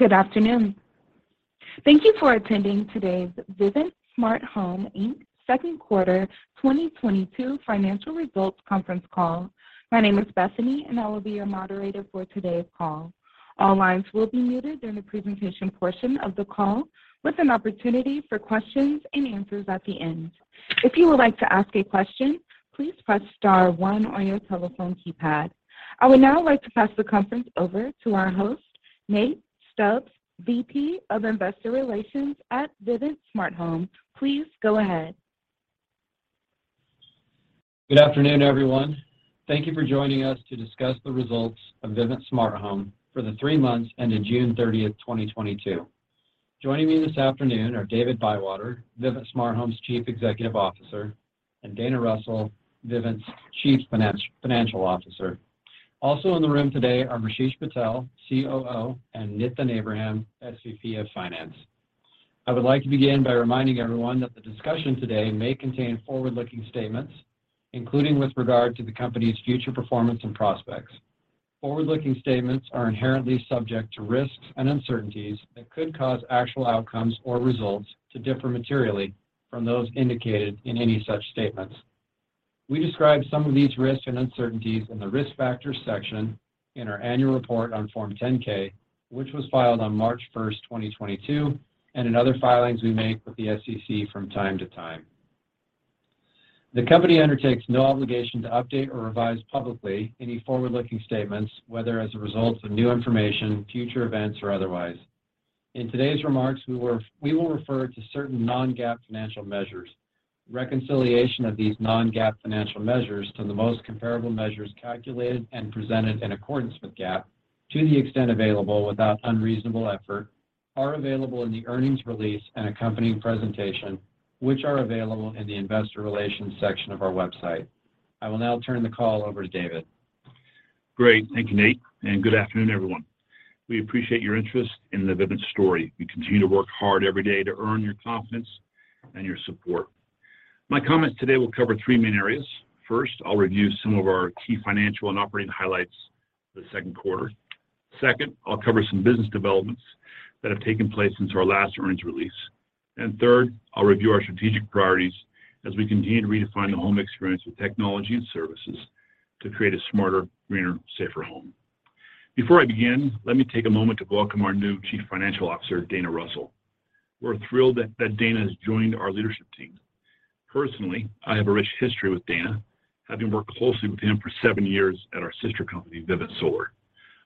Good afternoon. Thank you for attending today's Vivint Smart Home, Inc.'s second quarter 2022 financial results conference call. My name is Bethany, and I will be your moderator for today's call. All lines will be muted during the presentation portion of the call, with an opportunity for questions and answers at the end. If you would like to ask a question, please press star one on your telephone keypad. I would now like to pass the conference over to our host, Nate Stubbs, VP of Investor Relations at Vivint Smart Home. Please go ahead. Good afternoon, everyone. Thank you for joining us to discuss the results of Vivint Smart Home for the three months ended June 30th, 2022. Joining me this afternoon are David Bywater, Vivint Smart Home's Chief Executive Officer, and Dana Russell, Vivint's Chief Financial Officer. Also in the room today are Rasesh Patel, COO, and Nitin Abraham, SVP of Finance. I would like to begin by reminding everyone that the discussion today may contain forward-looking statements, including with regard to the company's future performance and prospects. Forward-looking statements are inherently subject to risks and uncertainties that could cause actual outcomes or results to differ materially from those indicated in any such statements. We describe some of these risks and uncertainties in the Risk Factors section in our annual report on Form 10-K, which was filed on March 1st, 2022, and in other filings we make with the SEC from time to time. The company undertakes no obligation to update or revise publicly any forward-looking statements, whether as a result of new information, future events, or otherwise. In today's remarks, we will refer to certain non-GAAP financial measures. Reconciliation of these non-GAAP financial measures to the most comparable measures calculated and presented in accordance with GAAP, to the extent available without unreasonable effort, are available in the earnings release and accompanying presentation, which are available in the investor relations section of our website. I will now turn the call over to David. Great. Thank you, Nate, and good afternoon, everyone. We appreciate your interest in the Vivint story. We continue to work hard every day to earn your confidence and your support. My comments today will cover three main areas. First, I'll review some of our key financial and operating highlights for the second quarter. Second, I'll cover some business developments that have taken place since our last earnings release. Third, I'll review our strategic priorities as we continue to redefine the home experience with technology and services to create a smarter, greener, safer home. Before I begin, let me take a moment to welcome our new Chief Financial Officer, Dana Russell. We're thrilled that Dana has joined our leadership team. Personally, I have a rich history with Dana, having worked closely with him for seven years at our sister company, Vivint Solar,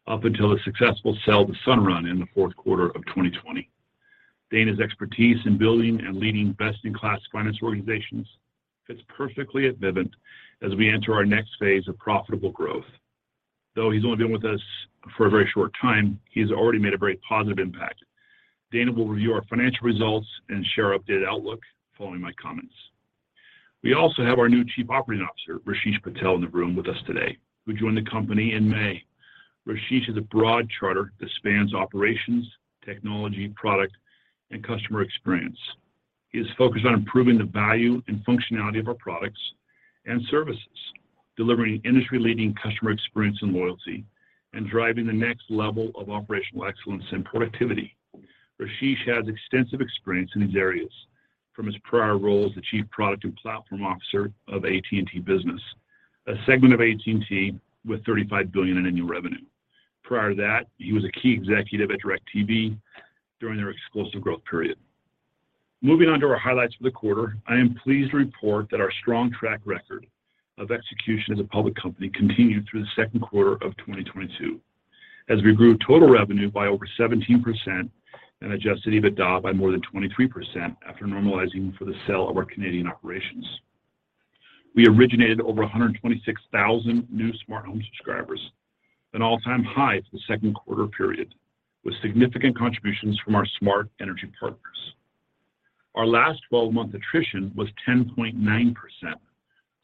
up until the successful sale to Sunrun in the fourth quarter of 2020. Dana's expertise in building and leading best-in-class finance organizations fits perfectly at Vivint as we enter our next phase of profitable growth. Though he's only been with us for a very short time, he's already made a very positive impact. Dana will review our financial results and share our updated outlook following my comments. We also have our new Chief Operating Officer, Rasesh Patel, in the room with us today, who joined the company in May. Rasesh has a broad charter that spans operations, technology, product, and customer experience. He is focused on improving the value and functionality of our products and services, delivering industry-leading customer experience and loyalty, and driving the next level of operational excellence and productivity. Rasesh has extensive experience in these areas from his prior role as the Chief Product and Platform Officer of AT&T Business, a segment of AT&T with $35 billion in annual revenue. Prior to that, he was a key executive at DIRECTV during their explosive growth period. Moving on to our highlights for the quarter, I am pleased to report that our strong track record of execution as a public company continued through the second quarter of 2022 as we grew total revenue by over 17% and adjusted EBITDA by more than 23% after normalizing for the sale of our Canadian operations. We originated over 126,000 new smart home subscribers, an all-time high for the second quarter period, with significant contributions from our smart energy partners. Our last 12-month attrition was 10.9%,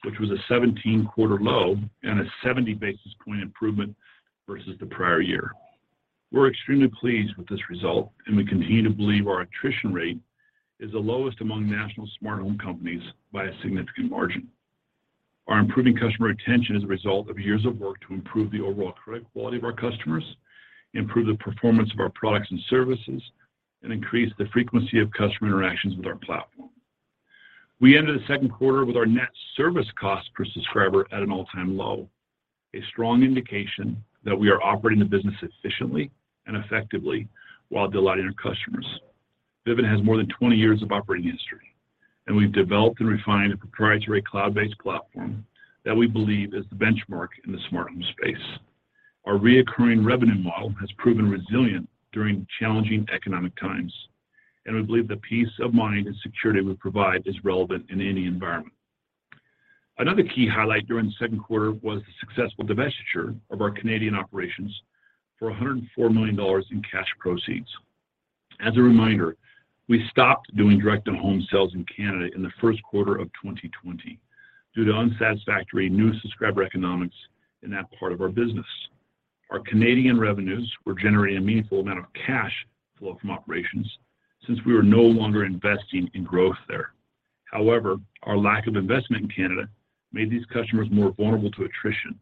which was a 17-quarter low and a 70 basis point improvement versus the prior year. We're extremely pleased with this result, and we continue to believe our attrition rate is the lowest among national smart home companies by a significant margin. Our improving customer retention is a result of years of work to improve the overall credit quality of our customers, improve the performance of our products and services, and increase the frequency of customer interactions with our platform. We ended the second quarter with our net service cost per subscriber at an all-time low, a strong indication that we are operating the business efficiently and effectively while delighting our customers. Vivint has more than 20 years of operating history, and we've developed and refined a proprietary cloud-based platform that we believe is the benchmark in the smart home space. Our recurring revenue model has proven resilient during challenging economic times, and we believe the peace of mind and security we provide is relevant in any environment. Another key highlight during the second quarter was the successful divestiture of our Canadian operations for $104 million in cash proceeds. As a reminder, we stopped doing direct-to-home sales in Canada in the first quarter of 2020 due to unsatisfactory new subscriber economics in that part of our business. Our Canadian revenues were generating a meaningful amount of cash flow from operations since we were no longer investing in growth there. However, our lack of investment in Canada made these customers more vulnerable to attrition.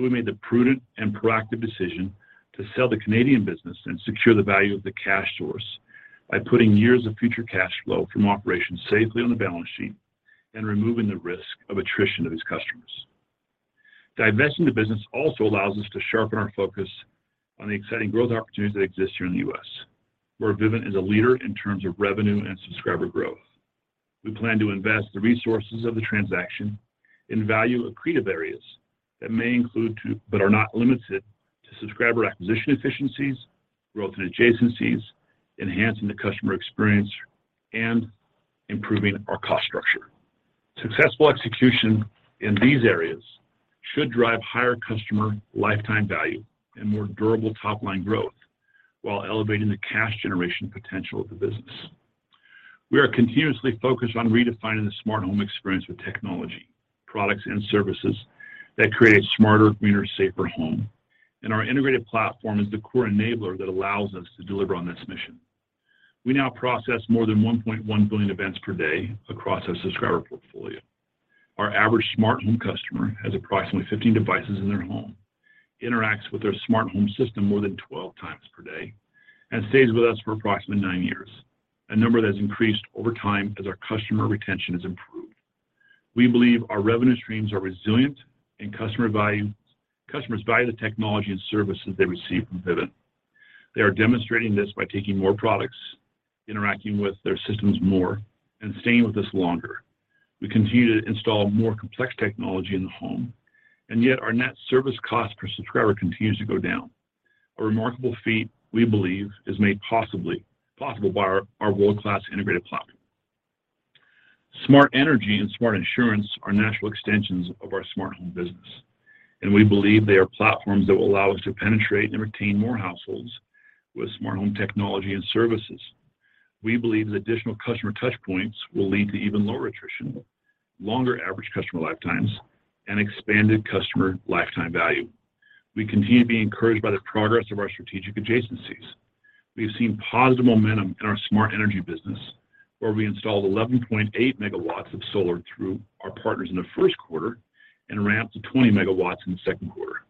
We made the prudent and proactive decision to sell the Canadian business and secure the value of the cash source by putting years of future cash flow from operations safely on the balance sheet and removing the risk of attrition of its customers. Divesting the business also allows us to sharpen our focus on the exciting growth opportunities that exist here in the U.S., where Vivint is a leader in terms of revenue and subscriber growth. We plan to invest the resources of the transaction in value accretive areas that may include but are not limited to subscriber acquisition efficiencies, growth in adjacencies, enhancing the customer experience, and improving our cost structure. Successful execution in these areas should drive higher customer lifetime value and more durable top-line growth while elevating the cash generation potential of the business. We are continuously focused on redefining the smart home experience with technology, products, and services that create a smarter, greener, safer home. Our integrated platform is the core enabler that allows us to deliver on this mission. We now process more than 1.1 billion events per day across our subscriber portfolio. Our average smart home customer has approximately 15 devices in their home, interacts with their smart home system more than 12 times per day, and stays with us for approximately 9 years, a number that has increased over time as our customer retention has improved. We believe our revenue streams are resilient and customers value the technology and services they receive from Vivint. They are demonstrating this by taking more products, interacting with their systems more, and staying with us longer. We continue to install more complex technology in the home, and yet our net service cost per subscriber continues to go down. A remarkable feat, we believe, is made possible by our world-class integrated platform. Smart energy and smart insurance are natural extensions of our smart home business, and we believe they are platforms th-at will allow us to penetrate and retain more households with smart home technology and services. We believe the additional customer touch points will lead to even lower attrition, longer average customer lifetimes, and expanded customer lifetime value. We continue to be encouraged by the progress of our strategic adjacencies. We have seen positive momentum in our smart energy business, where we installed 11.8 MW of solar through our partners in the first quarter and ramped to 20 MW in the second quarter.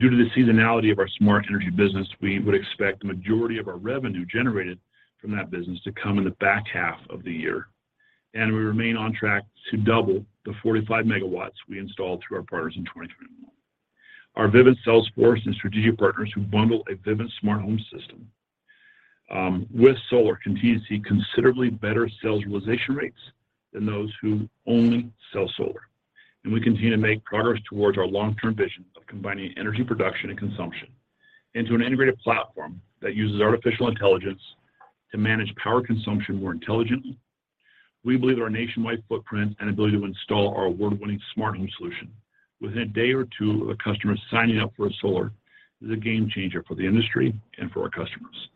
Due to the seasonality of our smart energy business, we would expect the majority of our revenue generated from that business to come in the back half of the year, and we remain on track to double the 45 MW we installed through our partners in 2021. Our Vivint sales force and strategic partners who bundle a Vivint Smart Home system with solar continue to see considerably better sales realization rates than those who only sell solar. We continue to make progress towards our long-term vision of combining energy production and consumption into an integrated platform that uses artificial intelligence to manage power consumption more intelligently. We believe our nationwide footprint and ability to install our award-winning smart home solution within a day or two of a customer signing up for solar is a game-changer for the industry and for our customers.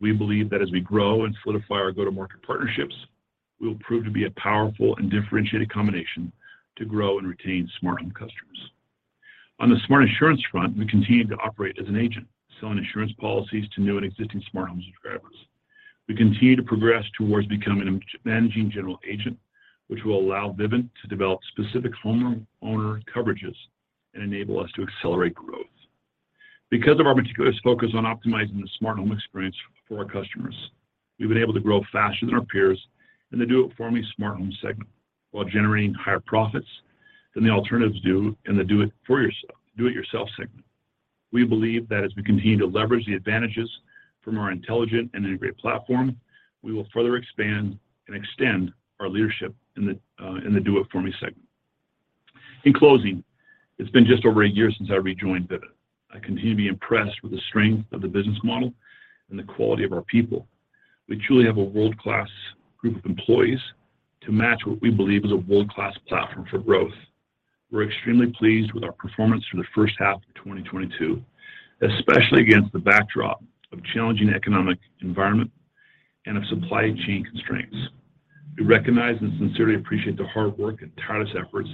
We believe that as we grow and solidify our go-to-market partnerships, we will prove to be a powerful and differentiated combination to grow and retain smart home customers. On the smart insurance front, we continue to operate as an agent, selling insurance policies to new and existing smart home subscribers. We continue to progress towards becoming a managing general agent, which will allow Vivint to develop specific home owner coverages and enable us to accelerate growth. Because of our meticulous focus on optimizing the smart home experience for our customers, we've been able to grow faster than our peers in the do-it-for-me smart home segment while generating higher profits than the alternatives do in the do-it-yourself segment. We believe that as we continue to leverage the advantages from our intelligent and integrated platform, we will further expand and extend our leadership in the do-it-for-me segment. In closing, it's been just over a year since I rejoined Vivint. I continue to be impressed with the strength of the business model and the quality of our people. We truly have a world-class group of employees to match what we believe is a world-class platform for growth. We're extremely pleased with our performance for the first half of 2022, especially against the backdrop of challenging economic environment and the supply chain constraints. We recognize and sincerely appreciate the hard work and tireless efforts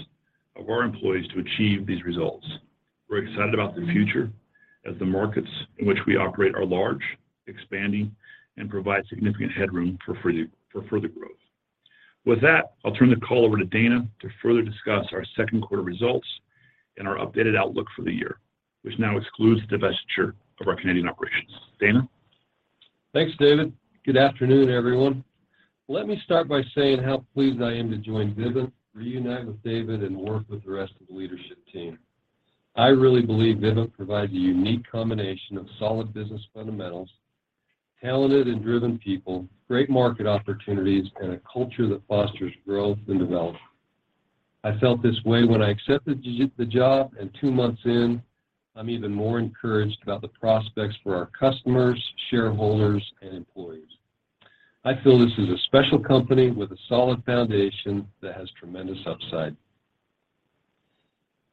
of our employees to achieve these results. We're excited about the future as the markets in which we operate are large, expanding, and provide significant headroom for further growth. With that, I'll turn the call over to Dana to further discuss our second quarter results and our updated outlook for the year, which now excludes the divestiture of our Canadian operations. Dana? Thanks, David. Good afternoon, everyone. Let me start by saying how pleased I am to join Vivint, reunite with David, and work with the rest of the leadership team. I really believe Vivint provides a unique combination of solid business fundamentals, talented and driven people, great market opportunities, and a culture that fosters growth and development. I felt this way when I accepted the job, and two months in, I'm even more encouraged about the prospects for our customers, shareholders, and employees. I feel this is a special company with a solid foundation that has tremendous upside.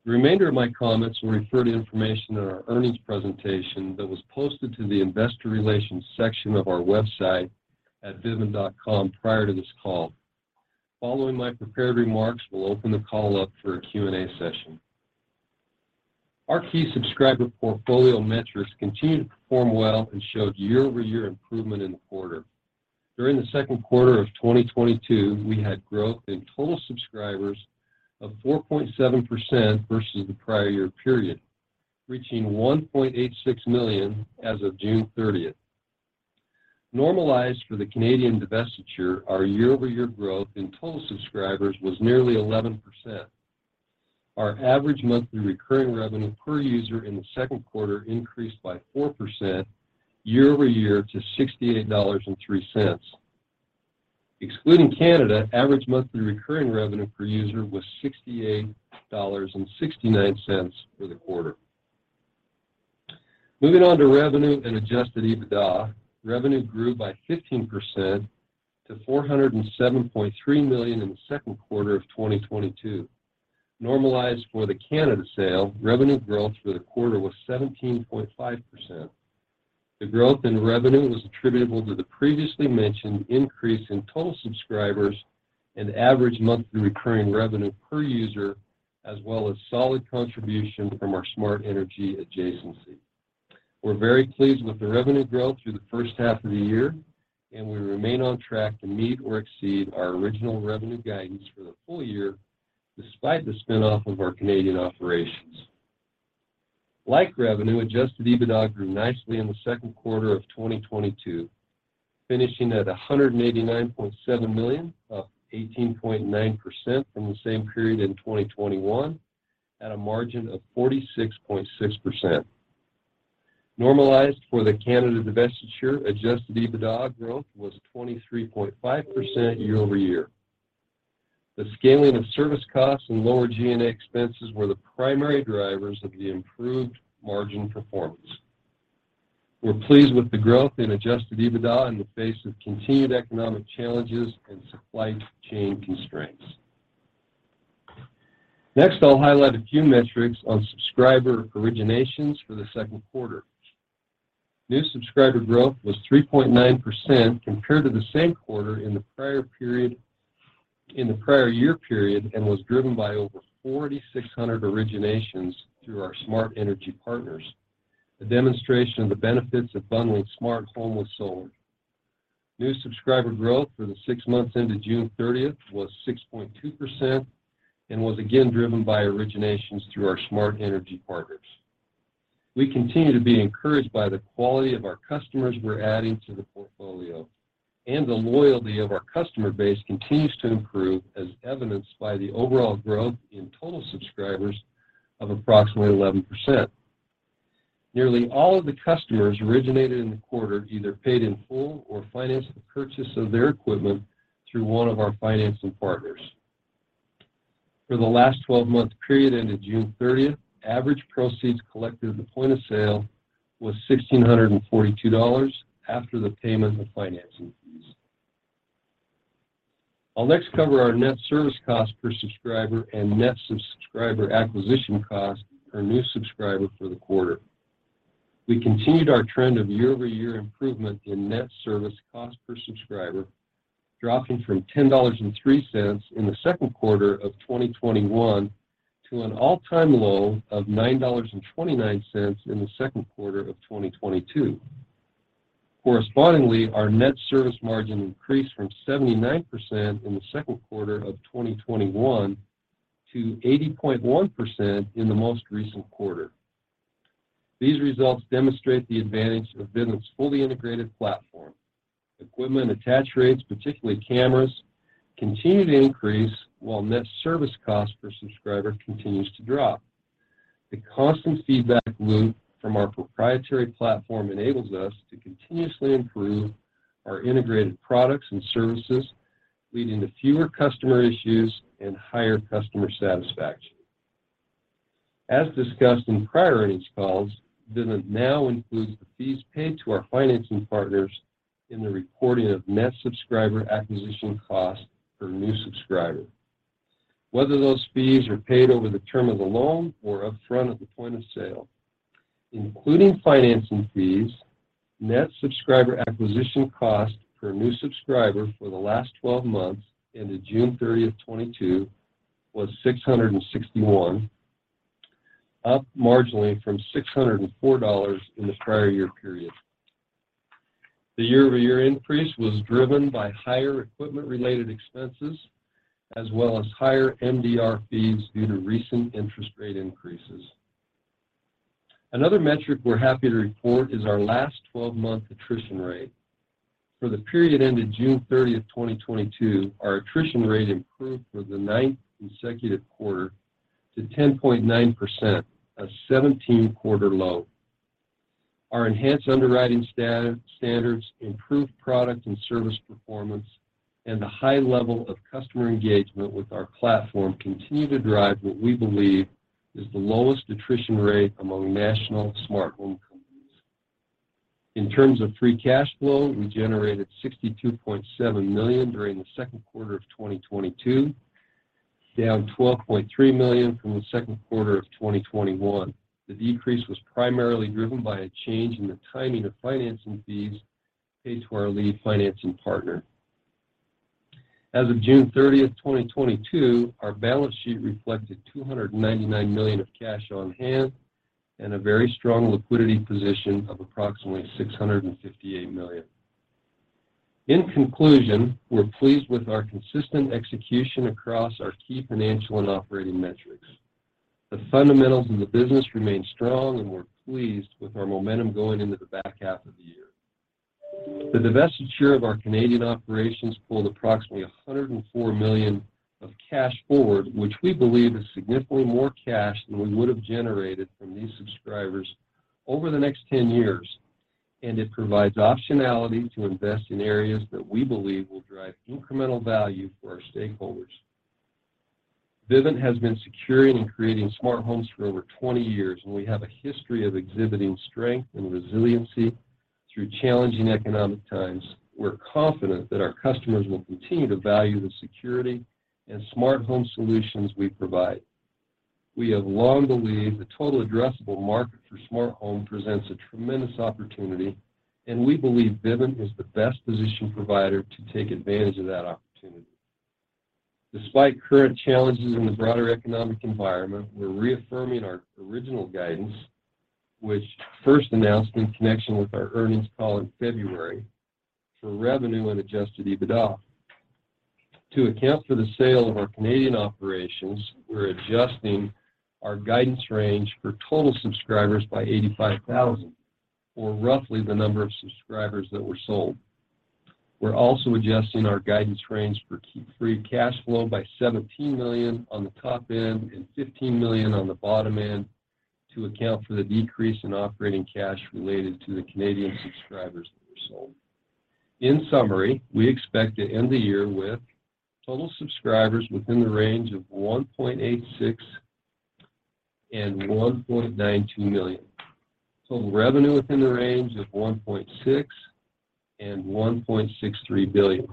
The remainder of my comments will refer to information in our earnings presentation that was posted to the investor relations section of our website at vivint.com prior to this call. Following my prepared remarks, we'll open the call up for a Q&A session. Our key subscriber portfolio metrics continued to perform well and showed year-over-year improvement in the quarter. During the second quarter of 2022, we had growth in total subscribers of 4.7% versus the prior year period, reaching 1.86 million as of June 30th. Normalized for the Canadian divestiture, our year-over-year growth in total subscribers was nearly 11%. Our average monthly recurring revenue per user in the second quarter increased by 4% year-over-year to $68.03. Excluding Canada, average monthly recurring revenue per user was $68.69 for the quarter. Moving on to revenue and adjusted EBITDA. Revenue grew by 15% to $407.3 million in the second quarter of 2022. Normalized for the Canada sale, revenue growth for the quarter was 17.5%. The growth in revenue was attributable to the previously mentioned increase in total subscribers and average monthly recurring revenue per user, as well as solid contribution from our smart energy adjacency. We're very pleased with the revenue growth through the first half of the year, and we remain on track to meet or exceed our original revenue guidance for the full year despite the spin-off of our Canadian operations. Like revenue, adjusted EBITDA grew nicely in the second quarter of 2022, finishing at $189.7 million, up 18.9% from the same period in 2021 at a margin of 46.6%. Normalized for the Canada divestiture, adjusted EBITDA growth was 23.5% year-over-year. The scaling of service costs and lower G&A expenses were the primary drivers of the improved margin performance. We're pleased with the growth in adjusted EBITDA in the face of continued economic challenges and supply chain constraints. Next, I'll highlight a few metrics on subscriber originations for the second quarter. New subscriber growth was 3.9% compared to the same quarter in the prior year period and was driven by over 4,600 originations through our smart energy partners, a demonstration of the benefits of bundling smart home with solar. New subscriber growth for the six months ended June 30th was 6.2% and was again driven by originations through our smart energy partners. We continue to be encouraged by the quality of our customers we're adding to the portfolio, and the loyalty of our customer base continues to improve as evidenced by the overall growth in total subscribers of approximately 11%. Nearly all of the customers originated in the quarter either paid in full or financed the purchase of their equipment through one of our financing partners. For the last 12-month period ended June 30, average proceeds collected at the point of sale was $1,642 after the payment of financing fees. I'll next cover our net service cost per subscriber and net subscriber acquisition cost per new subscriber for the quarter. We continued our trend of year-over-year improvement in net service cost per subscriber, dropping from $10.03 in the second quarter of 2021 to an all-time low of $9.29 in the second quarter of 2022. Correspondingly, our net service margin increased from 79% in the second quarter of 2021 to 80.1% in the most recent quarter. These results demonstrate the advantage of Vivint's fully integrated platform. Equipment attach rates, particularly cameras, continue to increase while net service cost per subscriber continues to drop. The constant feedback loop from our proprietary platform enables us to continuously improve our integrated products and services, leading to fewer customer issues and higher customer satisfaction. As discussed in prior earnings calls, Vivint now includes the fees paid to our financing partners in the reporting of net subscriber acquisition costs per new subscriber, whether those fees are paid over the term of the loan or upfront at the point of sale. Including financing fees, net subscriber acquisition cost per new subscriber for the last 12 months ended June 30th, 2022 was $661, up marginally from $604 in the prior year period. The year-over-year increase was driven by higher equipment-related expenses as well as higher MDR fees due to recent interest rate increases. Another metric we're happy to report is our last 12-month attrition rate. For the period ended June 30, 2022, our attrition rate improved for the ninth consecutive quarter to 10.9%, a 17-quarter low. Our enhanced underwriting standards, improved product and service performance, and the high level of customer engagement with our platform continue to drive what we believe is the lowest attrition rate among national smart home companies. In terms of free cash flow, we generated $62.7 million during the second quarter of 2022, down $12.3 million from the second quarter of 2021. The decrease was primarily driven by a change in the timing of financing fees paid to our lead financing partner. As of June 30th, 2022, our balance sheet reflected $299 million of cash on hand and a very strong liquidity position of approximately $658 million. In conclusion, we're pleased with our consistent execution across our key financial and operating metrics. The fundamentals of the business remain strong, and we're pleased with our momentum going into the back half of the year. The divestiture of our Canadian operations pulled approximately $104 million of cash forward, which we believe is significantly more cash than we would have generated from these subscribers over the next 10 years, and it provides optionality to invest in areas that we believe will drive incremental value for our stakeholders. Vivint has been securing and creating smart homes for over 20 years, and we have a history of exhibiting strength and resiliency through challenging economic times. We're confident that our customers will continue to value the security and smart home solutions we provide. We have long believed the total addressable market for smart home presents a tremendous opportunity, and we believe Vivint is the best-positioned provider to take advantage of that opportunity. Despite current challenges in the broader economic environment, we're reaffirming our original guidance, which first announced in connection with our earnings call in February for revenue and adjusted EBITDA. To account for the sale of our Canadian operations, we're adjusting our guidance range for total subscribers by 85,000 or roughly the number of subscribers that were sold. We're also adjusting our guidance range for key free cash flow by $17 million on the top end and $15 million on the bottom end to account for the decrease in operating cash related to the Canadian subscribers that were sold. In summary, we expect to end the year with total subscribers within the range of 1.86 million and 1.92 million. Total revenue within the range of $1.6 billion and $1.63 billion.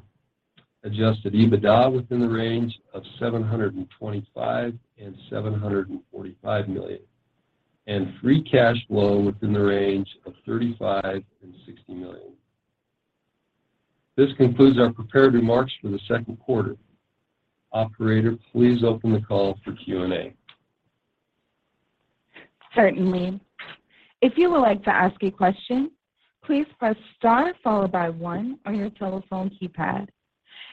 Adjusted EBITDA within the range of $725 million and $745 million, and free cash flow within the range of $35 million and $60 million. This concludes our prepared remarks for the second quarter. Operator, please open the call for Q&A. Certainly. If you would like to ask a question, please press star followed by one on your telephone keypad.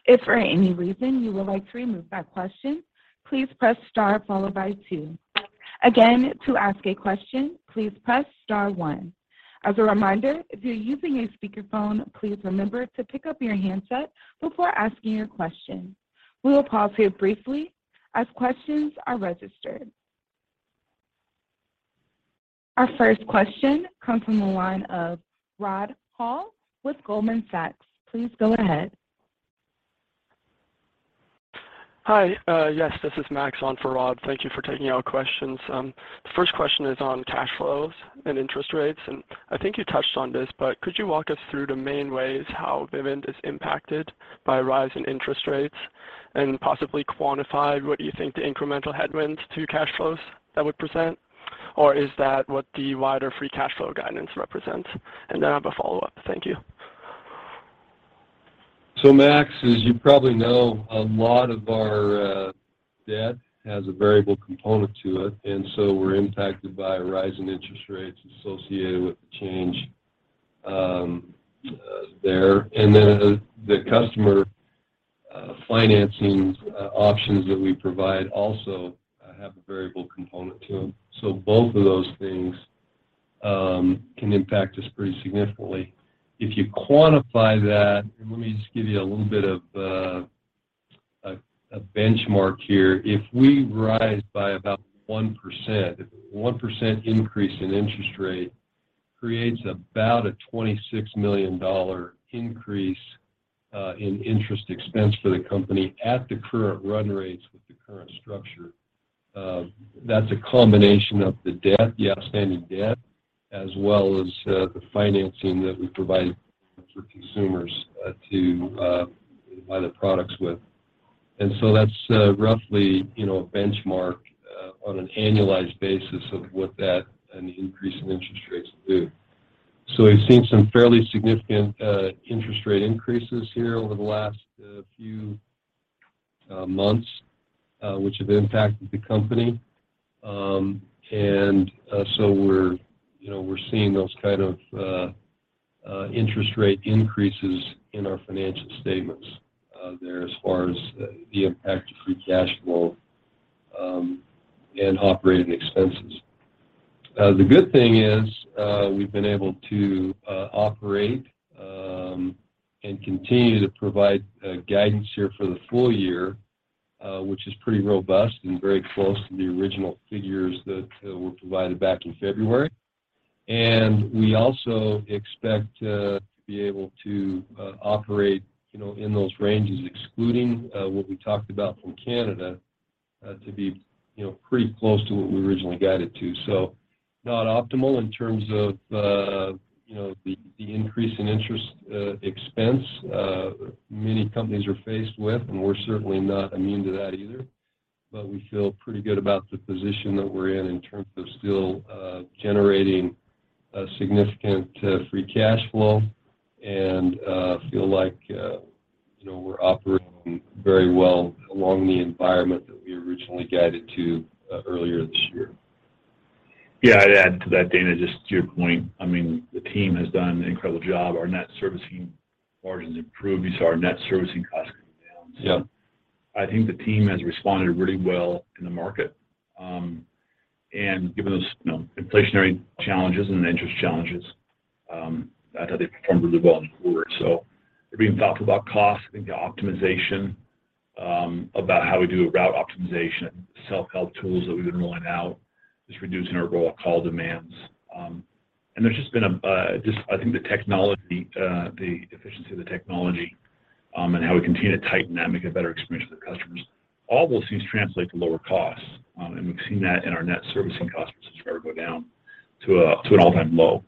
If for any reason you would like to remove that question, please press star followed by two. Again, to ask a question, please press star one. As a reminder, if you're using a speakerphone, please remember to pick up your handset before asking your question. We will pause here briefly as questions are registered. Our first question comes from the line of Rod Hall with Goldman Sachs. Please go ahead. Hi. Yes, this is Max on for Rod. Thank you for taking our questions. The first question is on cash flows and interest rates. I think you touched on this, but could you walk us through the main ways how Vivint is impacted by rising interest rates and possibly quantify what you think the incremental headwinds to cash flows that would present? Or is that what the wider free cash flow guidance represents? Then I have a follow-up. Thank you. Max, as you probably know, a lot of our debt has a variable component to it, and so we're impacted by a rise in interest rates associated with the change there. The customer financing options that we provide also have a variable component to them. Both of those things can impact us pretty significantly. If you quantify that, let me just give you a little bit of a benchmark here. If we rise by about 1%, a 1% increase in interest rate creates about a $26 million increase in interest expense for the company at the current run rates with the current structure. That's a combination of the debt, the outstanding debt, as well as the financing that we provide for consumers to buy the products with. That's roughly, you know, a benchmark on an annualized basis of what that and the increase in interest rates do. We've seen some fairly significant interest rate increases here over the last few months, which have impacted the company. We're, you know, seeing those kind of interest rate increases in our financial statements there as far as the impact to free cash flow and operating expenses. The good thing is, we've been able to operate and continue to provide guidance here for the full year, which is pretty robust and very close to the original figures that were provided back in February. We also expect to be able to operate, you know, in those ranges, excluding what we talked about from Canada, to be, you know, pretty close to what we originally guided to. Not optimal in terms of, you know, the increase in interest expense many companies are faced with, and we're certainly not immune to that either. We feel pretty good about the position that we're in terms of still generating a significant free cash flow and feel like, you know, we're operating very well in the environment that we originally guided to earlier this year. Yeah. I'd add to that, Dana, just to your point. I mean, the team has done an incredible job. Our net servicing margins improved. You saw our net servicing costs come down. Yep. I think the team has responded really well in the market. Given those, you know, inflationary challenges and interest challenges, I thought they performed really well in the quarter. They're being thoughtful about cost. I think the optimization about how we do a route optimization, self-help tools that we've been rolling out is reducing our raw call demands. There's just been I think the technology, the efficiency of the technology, and how we continue to tighten that and make a better experience for the customers. All those things translate to lower costs. We've seen that in our net servicing costs, which has never gone down to an all-time low.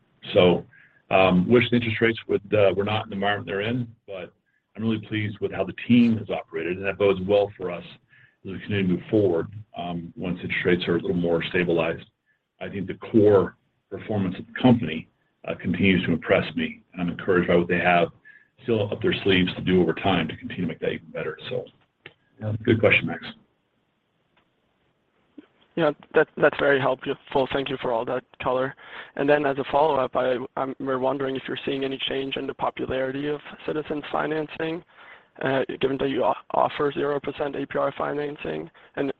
Wish the interest rates were not in the environment they're in, but I'm really pleased with how the team has operated, and that bodes well for us as we continue to move forward once interest rates are a little more stabilized. I think the core performance of the company continues to impress me, and I'm encouraged by what they have still up their sleeves to do over time to continue to make that even better. Good question, Max. Yeah. That's very helpful. Thank you for all that color. As a follow-up, we're wondering if you're seeing any change in the popularity of Citizens financing, given that you offer 0% APR financing.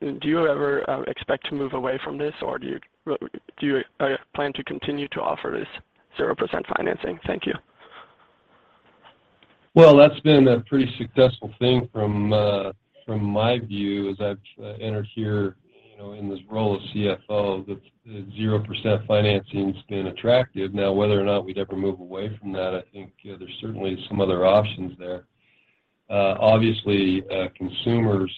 Do you ever expect to move away from this, or do you plan to continue to offer this 0% financing? Thank you. Well, that's been a pretty successful thing from my view as I've entered here, you know, in this role as CFO, that the 0% financing's been attractive. Now, whether or not we'd ever move away from that, I think there's certainly some other options there. Obviously, consumers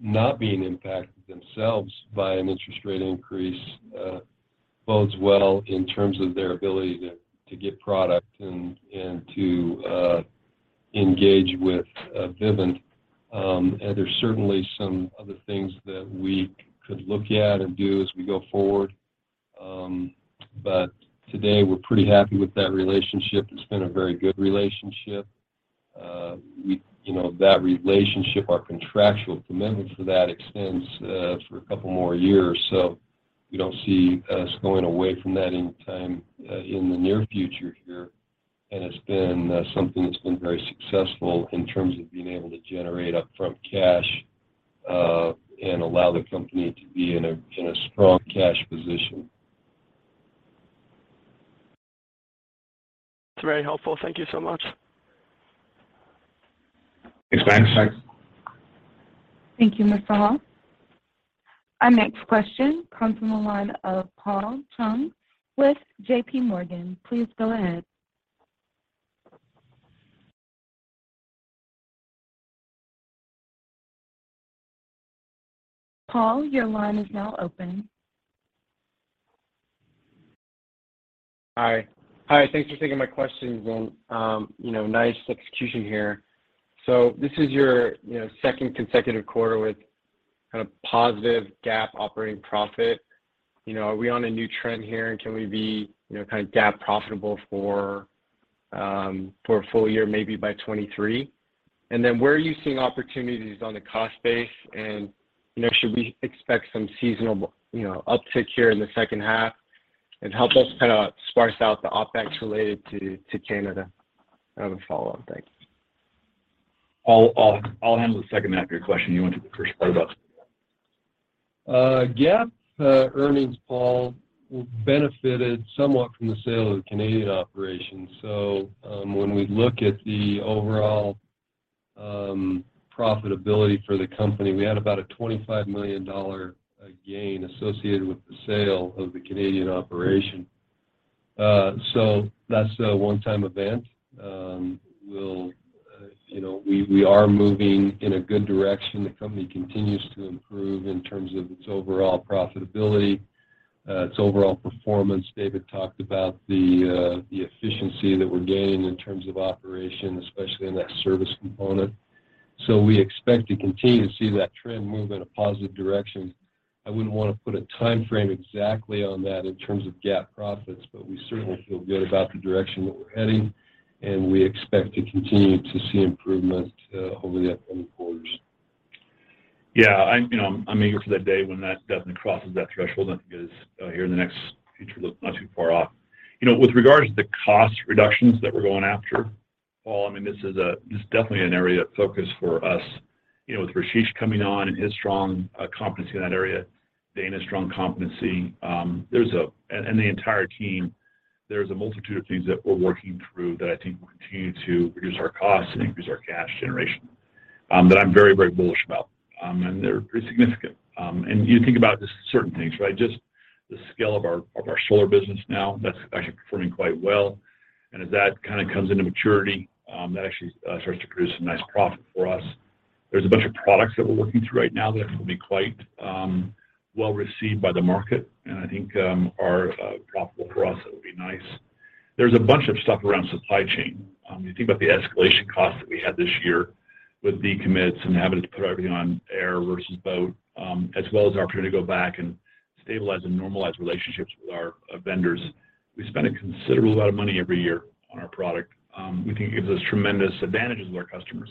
not being impacted themselves by an interest rate increase bodes well in terms of their ability to get product and to engage with Vivint. There's certainly some other things that we could look at and do as we go forward. Today we're pretty happy with that relationship. It's been a very good relationship. You know, that relationship, our contractual commitment for that extends for a couple more years. You don't see us going away from that anytime in the near future here. It's been something that's been very successful in terms of being able to generate upfront cash, and allow the company to be in a strong cash position. It's very helpful. Thank you so much. Thanks, Max. Thanks. Thank you, Mr. Hall. Our next question comes from the line of Paul Chung with JPMorgan. Please go ahead. Paul, your line is now open. Hi. Hi, thanks for taking my questions. You know, nice execution here. This is your, you know, second consecutive quarter with kind of positive GAAP operating profit. You know, are we on a new trend here? Can we be, you know, kind of GAAP profitable for a full year, maybe by 2023? Then where are you seeing opportunities on the cost base? You know, should we expect some seasonal, you know, uptick here in the second half? Help us kind of sparse out the OpEx related to Canada. I have a follow-up. Thanks. I'll handle the second half of your question. You want to do the first part about. GAAP earnings, Paul, benefited somewhat from the sale of the Canadian operation. When we look at the overall profitability for the company, we had about a $25 million gain associated with the sale of the Canadian operation. That's a one-time event. You know, we are moving in a good direction. The company continues to improve in terms of its overall profitability, its overall performance. David talked about the efficiency that we're gaining in terms of operations, especially in that service component. We expect to continue to see that trend move in a positive direction. I wouldn't want to put a timeframe exactly on that in terms of GAAP profits, but we certainly feel good about the direction that we're heading, and we expect to continue to see improvement over the upcoming quarters. Yeah. I'm, you know, I'm eager for that day when that definitely crosses that threshold. I think it is future looks not too far off. You know, with regards to the cost reductions that we're going after, Paul, I mean, this is definitely an area of focus for us. You know, with Rasesh coming on and his strong competency in that area, Dana's strong competency, and the entire team, there's a multitude of things that we're working through that I think will continue to reduce our costs and increase our cash generation that I'm very bullish about. They're pretty significant. You think about just certain things, right? Just the scale of our solar business now, that's actually performing quite well. As that kind of comes into maturity, that actually starts to produce some nice profit for us. There's a bunch of products that we're working through right now that I think will be quite, well received by the market, and I think, are profitable for us. It will be nice. There's a bunch of stuff around supply chain. You think about the escalation costs that we had this year with decommits and having to put everything on air versus boat, as well as an opportunity to go back and stabilize and normalize relationships with our vendors. We spend a considerable amount of money every year on our product. We think it gives us tremendous advantages with our customers,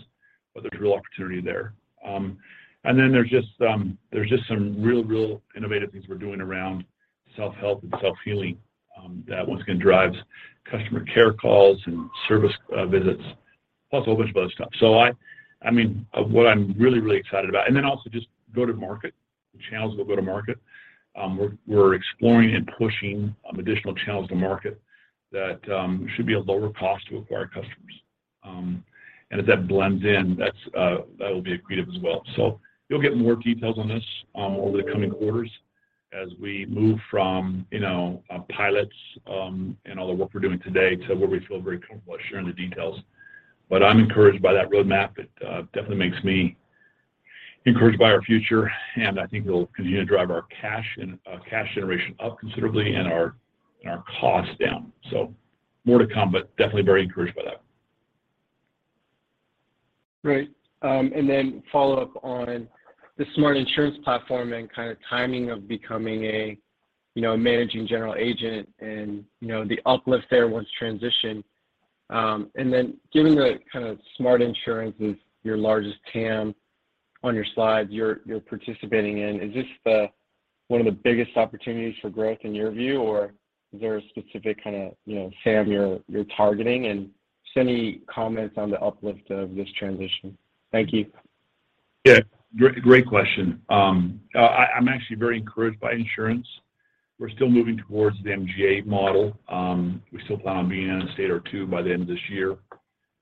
but there's real opportunity there. There's just some real innovative things we're doing around self-help and self-healing that once again drives customer care calls and service visits, plus a whole bunch of other stuff. I mean, what I'm really excited about. Then also just go-to-market, the channels of go-to-market. We're exploring and pushing additional channels to market that should be a lower cost to acquire customers. As that blends in, that's, that'll be accretive as well. You'll get more details on this over the coming quarters as we move from you know, pilots and all the work we're doing today to where we feel very comfortable sharing the details. I'm encouraged by that roadmap. It definitely makes me encouraged by our future, and I think it'll continue to drive our cash and cash generation up considerably and our costs down. More to come, but definitely very encouraged by that. Great. Follow-up on the smart insurance platform and kind of timing of becoming a, you know, a managing general agent and, you know, the uplift there once transitioned. Given the kind of smart insurance is your largest TAM on your slide you're participating in, is this one of the biggest opportunities for growth in your view, or is there a specific kinda, you know, TAM you're targeting? Just any comments on the uplift of this transition. Thank you. Yeah. Great question. I'm actually very encouraged by insurance. We're still moving towards the MGA model. We still plan on being in a state or two by the end of this year.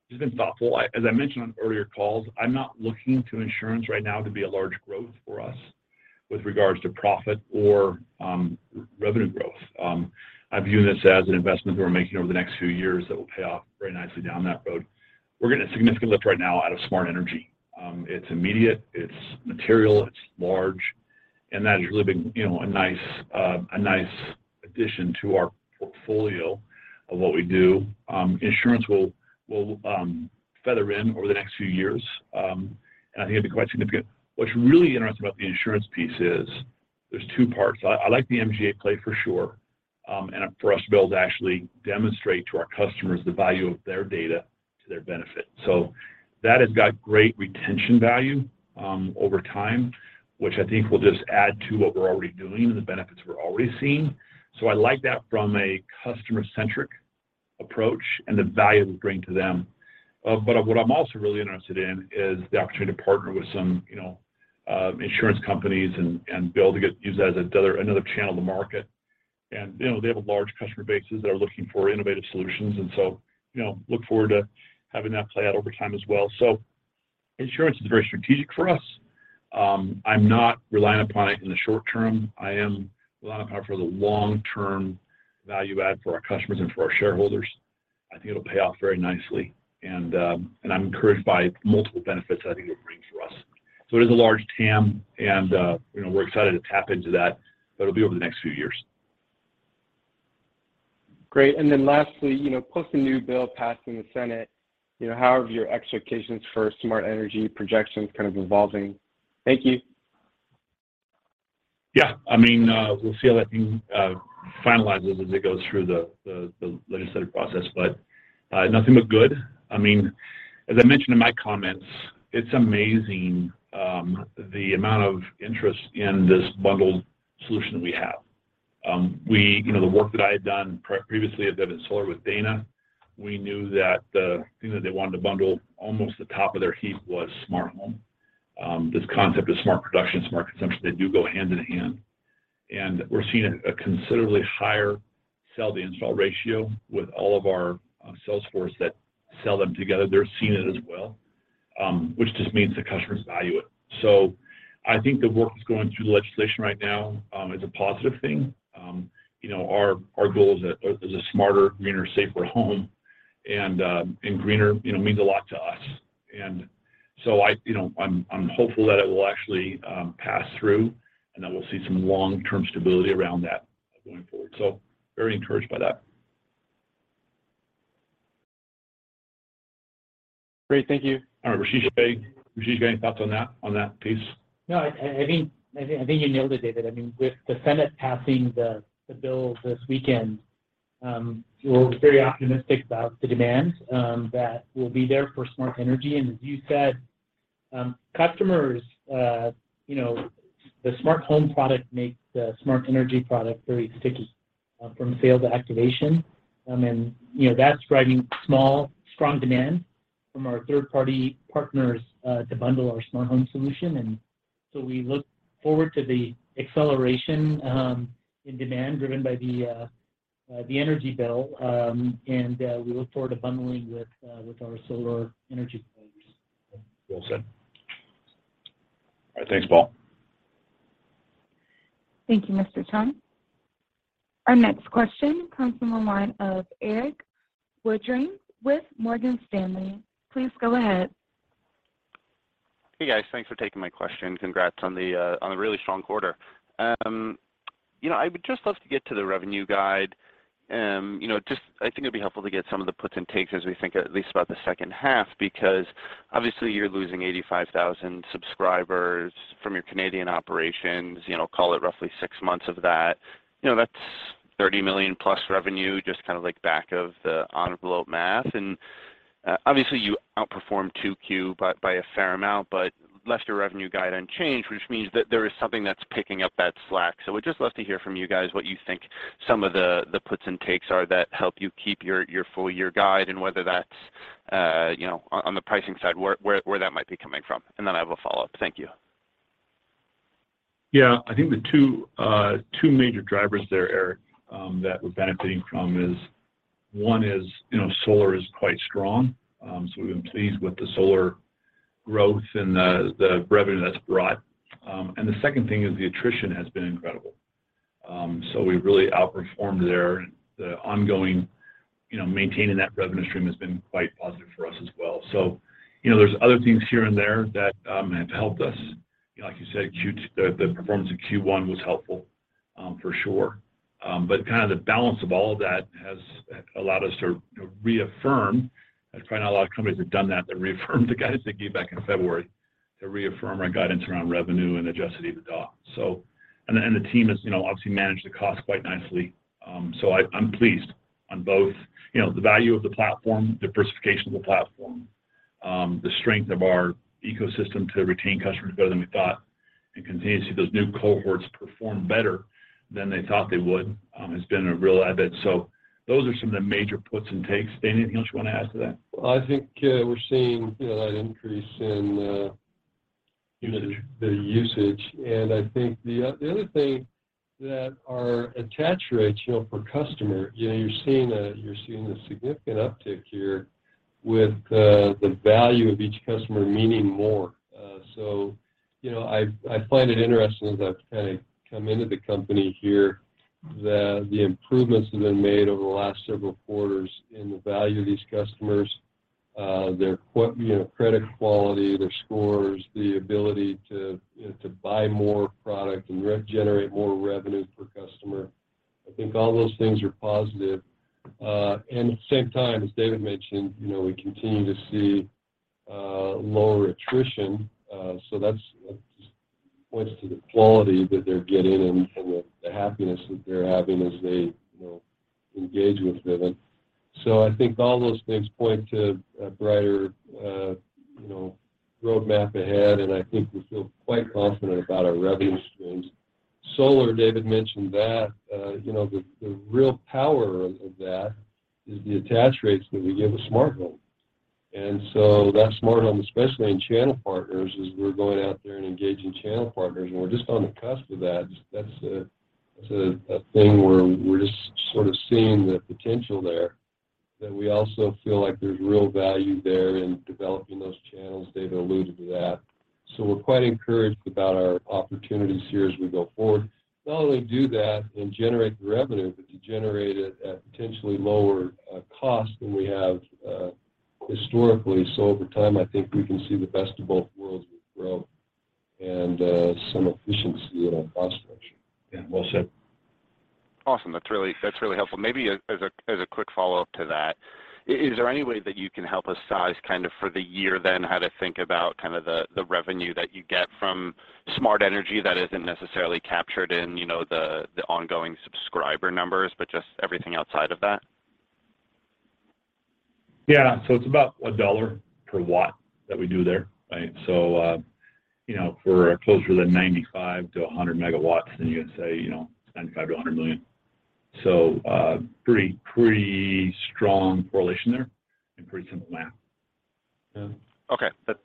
Just been thoughtful. As I mentioned on earlier calls, I'm not looking to insurance right now to be a large growth for us with regards to profit or revenue growth. I view this as an investment that we're making over the next few years that will pay off very nicely down that road. We're getting a significant lift right now out of smart energy. It's immediate, it's material, it's large, and that has really been, you know, a nice addition to our portfolio of what we do. Insurance will feather in over the next few years, and I think it'll be quite significant. What's really interesting about the insurance piece is there's two parts. I like the MGA play for sure, and for us to be able to actually demonstrate to our customers the value of their data to their benefit. That has got great retention value over time, which I think will just add to what we're already doing and the benefits we're already seeing. I like that from a customer-centric approach and the value we bring to them. But what I'm also really interested in is the opportunity to partner with some you know insurance companies and be able to use that as another channel to market. You know, they have a large customer bases that are looking for innovative solutions. You know, look forward to having that play out over time as well. Insurance is very strategic for us. I'm not relying upon it in the short term. I am relying upon it for the long-term value add for our customers and for our shareholders. I think it'll pay off very nicely and I'm encouraged by multiple benefits I think it'll bring for us. It is a large TAM and you know, we're excited to tap into that, but it'll be over the next few years. Great. Lastly, you know, plus the new bill passed in the Senate, you know, how have your expectations for smart energy projections kind of evolving? Thank you. Yeah. I mean, we'll see how that thing finalizes as it goes through the legislative process, but nothing but good. I mean, as I mentioned in my comments, it's amazing the amount of interest in this bundled solution that we have. You know, the work that I had done previously at Vivint Solar with Dana, we knew that the thing that they wanted to bundle almost the top of their heap was smart home. This concept of smart production, smart consumption, they do go hand in hand. We're seeing a considerably higher sell-to-install ratio with all of our sales force that sell them together. They're seeing it as well, which just means the customers value it. I think the work that's going through the legislation right now is a positive thing. You know, our goal is a smarter, greener, safer home and greener, you know, means a lot to us. I, you know, I'm hopeful that it will actually pass through, and then we'll see some long-term stability around that going forward. Very encouraged by that. Great. Thank you. All right. Rasesh, you got any thoughts on that piece? No. I think you nailed it, David. I mean, with the Senate passing the bill this weekend, we're very optimistic about the demand that will be there for smart energy. As you said, customers, you know, the smart home product makes the smart energy product very sticky from sale to activation. You know, that's driving small, strong demand from our third-party partners to bundle our smart home solution. We look forward to the acceleration in demand driven by the energy bill, and we look forward to bundling with our solar energy partners. Well said. All right. Thanks, Paul. Thank you, Mr. Chung. Our next question comes from the line of Erik Woodring with Morgan Stanley. Please go ahead. Hey guys, thanks for taking my question. Congrats on the really strong quarter. You know, I would just love to get to the revenue guide and, you know, just I think it'd be helpful to get some of the puts and takes as we think at least about the second half, because obviously you're losing 85,000 subscribers from your Canadian operations. You know, call it roughly six months of that. You know, that's $30 million+ revenue, just kind of like back of the envelope math. Obviously you outperformed 2Q by a fair amount, but left your revenue guide unchanged, which means that there is something that's picking up that slack. Would just love to hear from you guys what you think some of the puts and takes are that help you keep your full year guide and whether that's, you know, on the pricing side where that might be coming from. Then I have a follow-up. Thank you. Yeah. I think the two major drivers there, Erik, that we're benefiting from is, one is, you know, solar is quite strong. So we've been pleased with the solar growth and the revenue that's brought. The second thing is the attrition has been incredible. So we've really outperformed there. The ongoing, you know, maintaining that revenue stream has been quite positive for us as well. You know, there's other things here and there that have helped us. Like you said, the performance in Q1 was helpful, for sure. Kind of the balance of all of that has allowed us to, you know, reaffirm. I find not a lot of companies have done that. They reaffirmed the guidance they gave back in February to reaffirm our guidance around revenue and adjusted EBITDA. The team has, you know, obviously managed the cost quite nicely. I'm pleased on both, you know, the value of the platform, diversification of the platform, the strength of our ecosystem to retain customers better than we thought, and continue to see those new cohorts perform better than they thought they would, has been a real added. Those are some of the major puts and takes. Dana, anything else you want to add to that? I think, we're seeing, you know, that increase in Usage the usage. I think the other thing that our attach rates, you know, per customer, you know, you're seeing a significant uptick here with the value of each customer meaning more. So, you know, I find it interesting as I've kind of come into the company here that the improvements that have been made over the last several quarters in the value of these customers, you know, credit quality, their scores, the ability to, you know, to buy more product and regenerate more revenue per customer. I think all those things are positive. At the same time, as David mentioned, you know, we continue to see lower attrition. So that's points to the quality that they're getting and the happiness that they're having as they, you know, engage with Vivint. I think all those things point to a brighter, you know, roadmap ahead, and I think we feel quite confident about our revenue streams. Solar, David mentioned that. You know, the real power of that is the attach rates that we give a smart home. That smart home, especially in channel partners, as we're going out there and engaging channel partners, and we're just on the cusp of that. That's a thing where we're just sort of seeing the potential there, that we also feel like there's real value there in developing those channels. David alluded to that. We're quite encouraged about our opportunities here as we go forward. Not only do that and generate the revenue, but to generate it at potentially lower cost than we have historically. Over time, I think we can see the best of both worlds with growth and some efficiency in our cost structure. Yeah. Well said. Awesome. That's really helpful. Maybe as a quick follow-up to that, is there any way that you can help us size kind of for the year then how to think about kind of the revenue that you get from smart energy that isn't necessarily captured in, you know, the ongoing subscriber numbers, but just everything outside of that? Yeah. It's about $1 per watt that we do there, right? You know, for closer to 95-100 MW than you would say, you know, $95 million-$100 million. Pretty strong correlation there and pretty simple math. Yeah. Okay. That's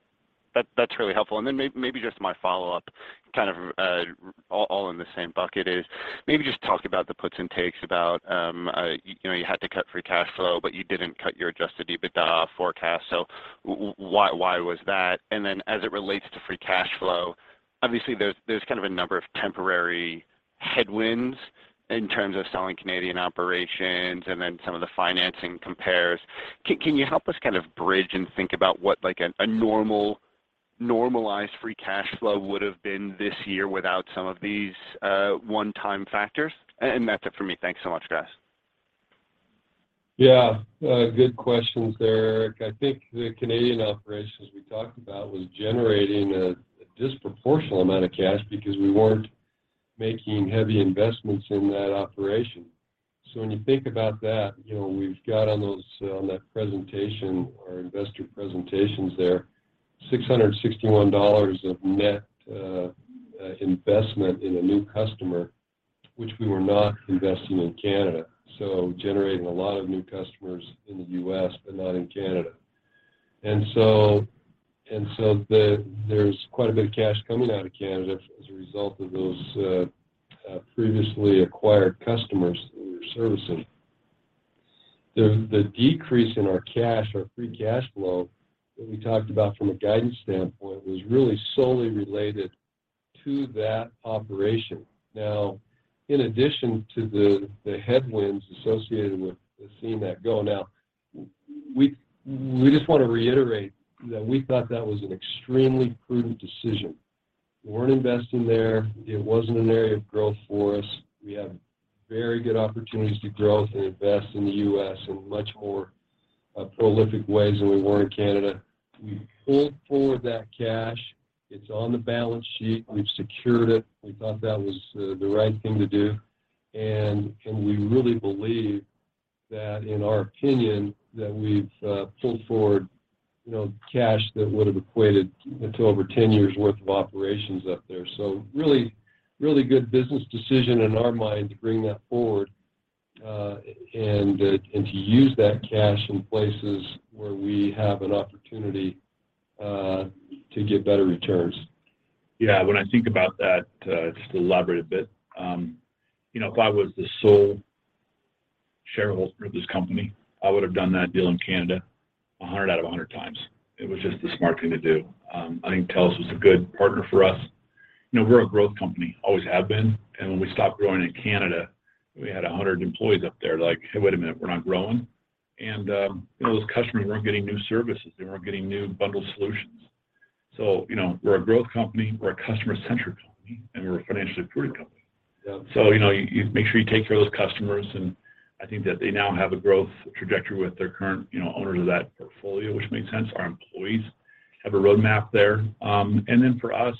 really helpful. Then maybe just my follow-up, kind of, all in the same bucket is maybe just talk about the puts and takes about, you know, you had to cut free cash flow, but you didn't cut your adjusted EBITDA forecast. Why was that? Then as it relates to free cash flow, obviously there's kind of a number of temporary headwinds in terms of selling Canadian operations and then some of the financing compares. Can you help us kind of bridge and think about what like a normal, normalized free cash flow would've been this year without some of these one-time factors? That's it for me. Thanks so much, guys. Yeah. Good questions there, Erik. I think the Canadian operations we talked about was generating a disproportional amount of cash because we weren't making heavy investments in that operation. When you think about that, you know, we've got on that presentation or investor presentations there, $661 of net investment in a new customer, which we were not investing in Canada. Generating a lot of new customers in the U.S., but not in Canada. There's quite a bit of cash coming out of Canada as a result of those previously acquired customers that we were servicing. The decrease in our cash, our free cash flow that we talked about from a guidance standpoint was really solely related to that operation. Now, in addition to the headwinds associated with seeing that go. Now, we just wanna reiterate that we thought that was an extremely prudent decision. We weren't investing there. It wasn't an area of growth for us. We have very good opportunities to grow and invest in the U.S. in much more prolific ways than we were in Canada. We pulled forward that cash. It's on the balance sheet. We've secured it. We thought that was the right thing to do. We really believe that, in our opinion, that we've pulled forward, you know, cash that would have equated to over 10 years' worth of operations up there. Really good business decision in our mind to bring that forward, and to use that cash in places where we have an opportunity to get better returns. Yeah. When I think about that, just to elaborate a bit, you know, if I was the sole shareholder of this company, I would have done that deal in Canada 100 out of 100 times. It was just the smart thing to do. I think TELUS was a good partner for us. You know, we're a growth company, always have been. When we stopped growing in Canada, we had 100 employees up there like, "Hey, wait a minute, we're not growing?" You know, those customers weren't getting new services, they weren't getting new bundled solutions. You know, we're a growth company, we're a customer-centric company, and we're a financially prudent company. Yeah. You know, you make sure you take care of those customers, and I think that they now have a growth trajectory with their current, you know, owners of that portfolio, which makes sense. Our employees have a roadmap there. For us,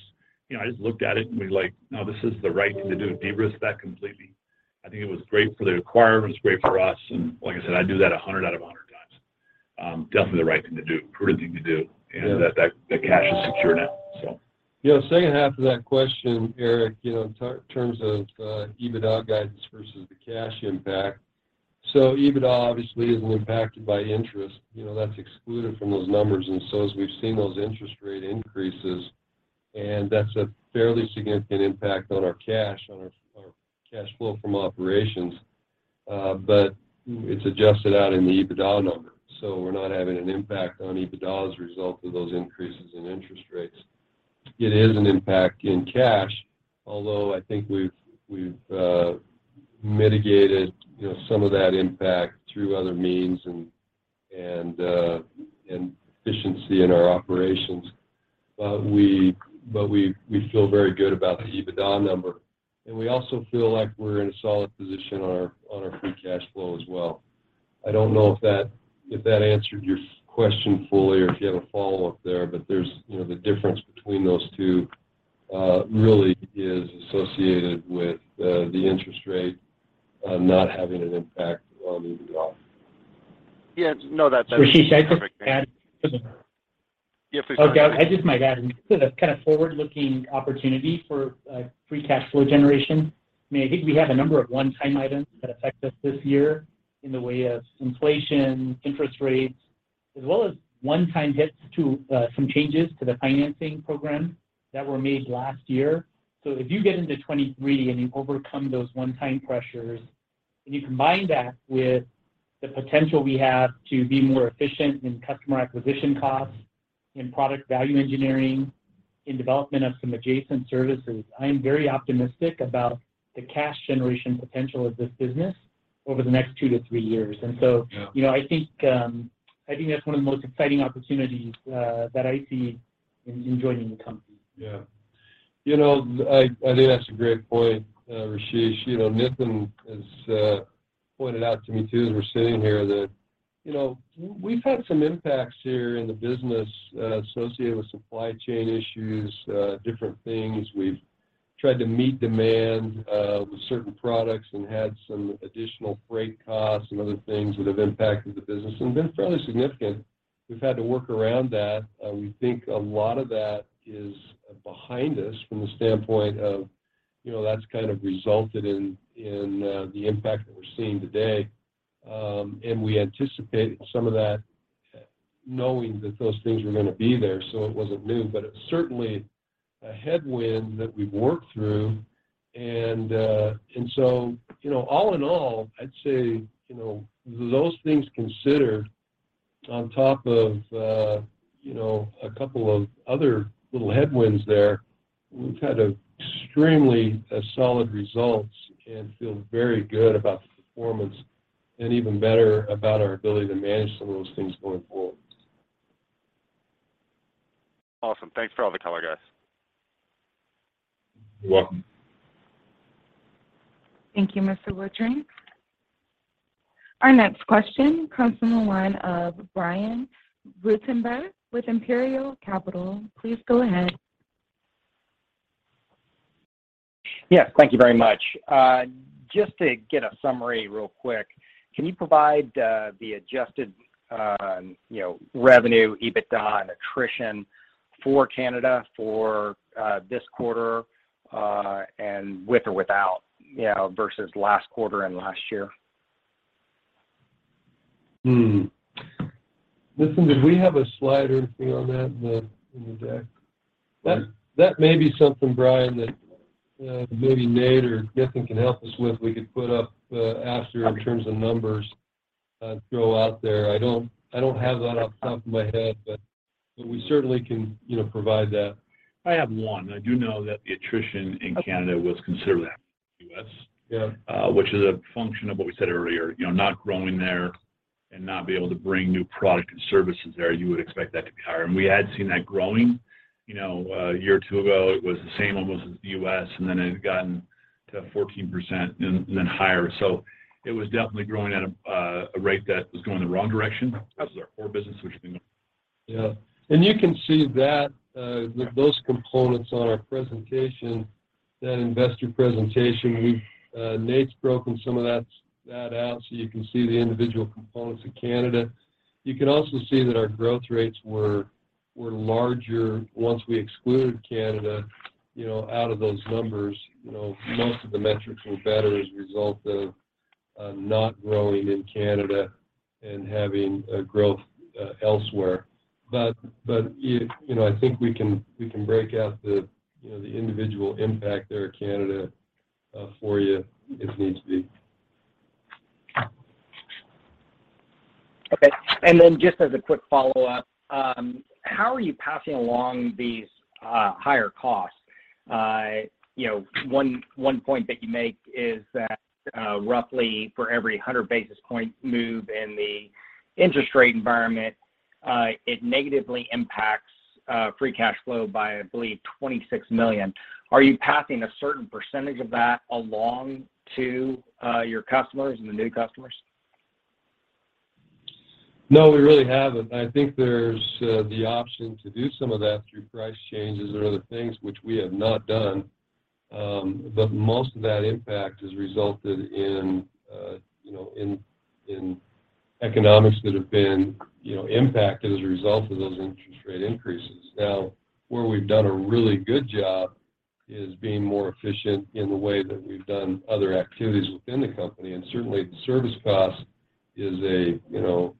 you know, I just looked at it and we're like, "No, this is the right thing to do. De-risk that completely." I think it was great for the acquirers, great for us, and like I said, I'd do that 100 out of 100 times. Definitely the right thing to do, prudent thing to do. Yeah. That cash is secure now, so. Yeah. The second half of that question, Erik, you know, in terms of EBITDA guidance versus the cash impact. EBITDA obviously isn't impacted by interest. You know, that's excluded from those numbers. As we've seen those interest rate increases, and that's a fairly significant impact on our cash, on our cash flow from operations, but it's adjusted out in the EBITDA number, so we're not having an impact on EBITDA as a result of those increases in interest rates. It is an impact on cash, although I think we've mitigated, you know, some of that impact through other means and efficiency in our operations. We feel very good about the EBITDA number, and we also feel like we're in a solid position on our free cash flow as well. I don't know if that answered your question fully or if you have a follow-up there, but there's, you know, the difference between those two really is associated with the interest rate not having an impact on EBITDA. Yeah. No, that's perfect. Rasesh, I could add. Yeah, please go ahead. I just might add in. That's kind of forward-looking opportunity for free cash flow generation. I mean, I think we have a number of one-time items that affect us this year in the way of inflation, interest rates, as well as one-time hits to some changes to the financing program that were made last year. If you get into 2023 and you overcome those one-time pressures, and you combine that with the potential we have to be more efficient in customer acquisition costs, in product value engineering, in development of some adjacent services, I am very optimistic about the cash generation potential of this business over the next two to three years. Yeah. You know, I think that's one of the most exciting opportunities that I see in joining the company. Yeah. You know, I think that's a great point, Rasesh. You know, Nitin has pointed out to me too as we're sitting here that, you know, we've had some impacts here in the business associated with supply chain issues, different things. We've tried to meet demand with certain products and had some additional freight costs and other things that have impacted the business, and been fairly significant. We've had to work around that. We think a lot of that is behind us from the standpoint of, you know, that's kind of resulted in the impact that we're seeing today. We anticipate some of that knowing that those things were gonna be there, so it wasn't new. It's certainly a headwind that we've worked through. You know, all in all, I'd say, you know, those things considered on top of, you know, a couple of other little headwinds there, we've had extremely solid results and feel very good about the performance and even better about our ability to manage some of those things going forward. Awesome. Thanks for all the color, guys. You're welcome. Thank you, Mr. Woodring. Our next question comes from the line of Brian Ruttenbur with Imperial Capital. Please go ahead. Yeah. Thank you very much. Just to get a summary real quick, can you provide the adjusted, you know, revenue, EBITDA, and attrition for Canada for this quarter, and with or without, you know, versus last `quarter and last year? Nitin, did we have a slide or anything on that in the deck? That may be something, Brian, that maybe Nate or Nitin can help us with. We could put up after in terms of numbers. Throw out there. I don't have that off the top of my head, but we certainly can, you know, provide that. I have one. I do know that the attrition in Canada was considerably less. Yeah. which is a function of what we said earlier, you know, not growing there and not being able to bring new product and services there. You would expect that to be higher. We had seen that growing, you know, a year or two ago, it was the same almost as the U.S., and then it had gotten to 14% and then higher. It was definitely growing at a rate that was going the wrong direction. This is our core business, which has been You can see that those components on our presentation, that investor presentation, Nate's broken some of that out so you can see the individual components of Canada. You can also see that our growth rates were larger once we excluded Canada, you know, out of those numbers. You know, most of the metrics were better as a result of not growing in Canada and having a growth elsewhere. You know, I think we can break out the individual impact there in Canada for you if need be. Okay. Just as a quick follow-up, how are you passing along these higher costs? You know, one point that you make is that, roughly for every 100 basis point move in the interest rate environment, it negatively impacts free cash flow by, I believe, $26 million. Are you passing a certain percentage of that along to your customers and the new customers? No, we really haven't. I think there's the option to do some of that through price changes or other things, which we have not done. Most of that impact has resulted in, you know, in economics that have been, you know, impacted as a result of those interest rate increases. Now, where we've done a really good job is being more efficient in the way that we've done other activities within the company. Certainly the service cost is a you know,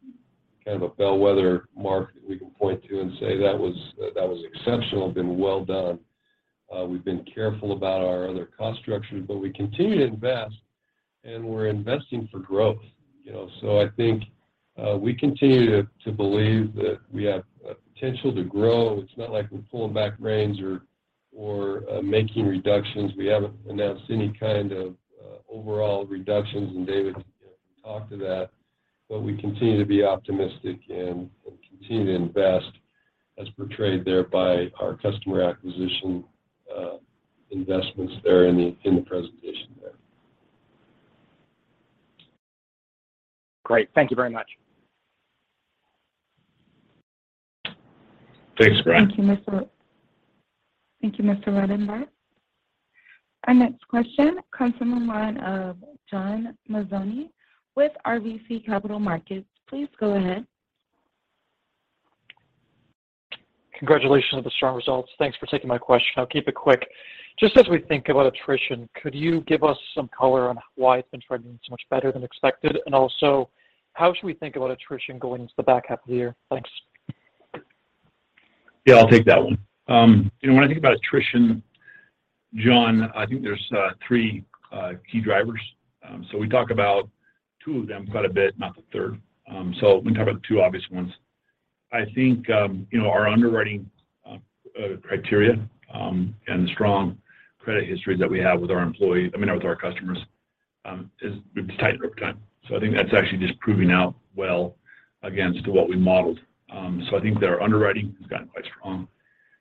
kind of a bellwether mark that we can point to and say, "That was exceptional, been well done." We've been careful about our other cost structures, but we continue to invest, and we're investing for growth, you know. I think we continue to believe that we have potential to grow. It's not like we're pulling back reins or making reductions. We haven't announced any kind of overall reductions, and David can talk to that. We continue to be optimistic and continue to invest as portrayed there by our customer acquisition investments there in the presentation there. Great. Thank you very much. Thanks, Brian. Thank you, Mr. Ruttenbur. Our next question comes from the line of John Mazzoni with RBC Capital Markets. Please go ahead. Congratulations on the strong results. Thanks for taking my question. I'll keep it quick. Just as we think about attrition, could you give us some color on why it's been trending so much better than expected? How should we think about attrition going into the back half of the year? Thanks. Yeah, I'll take that one. You know, when I think about attrition, John, I think there's three key drivers. We talk about two of them quite a bit, not the third. Let me talk about the two obvious ones. I think, you know, our underwriting criteria and the strong credit history that we have with our customers is, we've tightened it up over time. I think that's actually just proving out well against what we modeled. I think that our underwriting has gotten quite strong.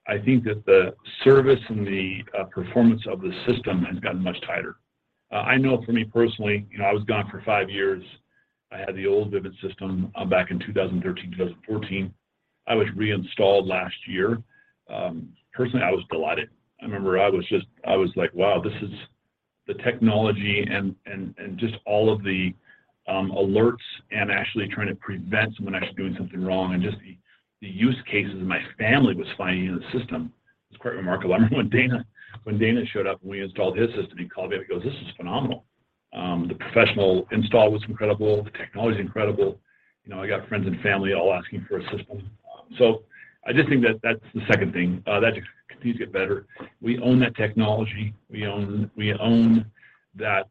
I think that the service and the performance of the system has gotten much tighter. I know for me personally, you know, I was gone for five years. I had the old Vivint system back in 2013, 2014. I was reinstalled last year. Personally, I was delighted. I remember I was just like, "Wow, this is the technology," and just all of the alerts and actually trying to prevent someone actually doing something wrong and just the use cases my family was finding in the system was quite remarkable. I remember when Dana showed up, and we installed his system, he called me up, he goes, "This is phenomenal. The professional install was incredible. The technology is incredible. You know, I got friends and family all asking for a system." I just think that that's the second thing that just continues to get better. We own that technology. We own that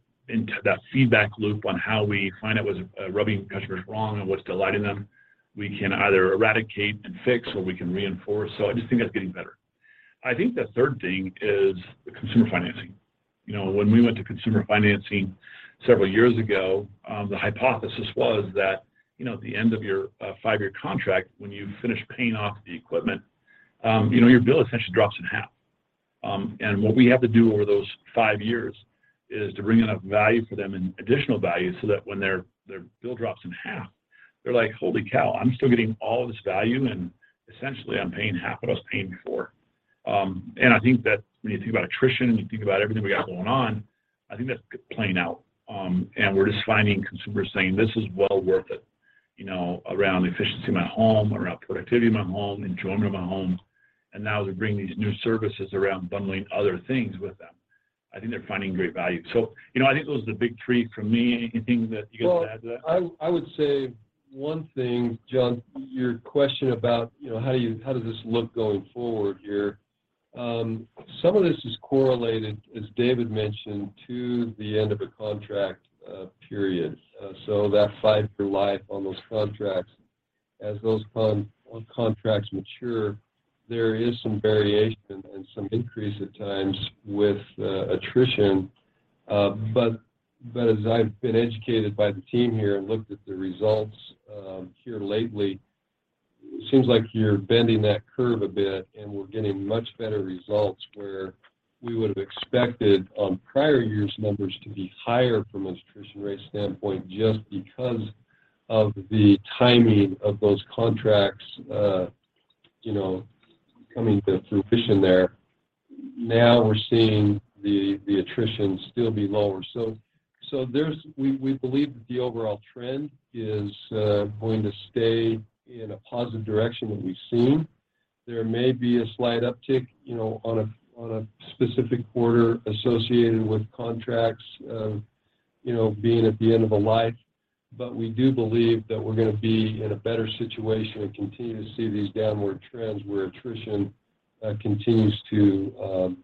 feedback loop on how we find out what's rubbing customers wrong and what's delighting them. We can either eradicate and fix or we can reinforce. I just think that's getting better. I think the third thing is the consumer financing. You know, when we went to consumer financing several years ago, the hypothesis was that, you know, at the end of your five-year contract, when you finish paying off the equipment, you know, your bill essentially drops in half. What we have to do over those five years is to bring enough value for them and additional value so that when their bill drops in half, they're like, "Holy cow, I'm still getting all of this value, and essentially I'm paying half what I was paying before." I think that when you think about attrition, when you think about everything we got going on, I think that's playing out. We're just finding consumers saying, "This is well worth it," you know, around the efficiency of my home, around productivity of my home, enjoyment of my home. Now as we bring these new services around bundling other things with them, I think they're finding great value. You know, I think those are the big three for me. Anything that you guys want to add to that? Well, I would say one thing, John, your question about, you know, how does this look going forward here? Some of this is correlated, as David mentioned, to the end of a contract period. That fight for life on those contracts as those contracts mature, there is some variation and some increase at times with attrition. As I've been educated by the team here and looked at the results here lately, it seems like you're bending that curve a bit, and we're getting much better results where we would've expected on prior years numbers to be higher from an attrition rate standpoint just because of the timing of those contracts, you know, coming through attrition there. Now we're seeing the attrition still be lower. There's, we believe, the overall trend is going to stay in a positive direction that we've seen. There may be a slight uptick, you know, on a specific quarter associated with contracts, you know, being at the end of a life. We do believe that we're gonna be in a better situation and continue to see these downward trends where attrition continues to